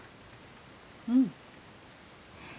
うん。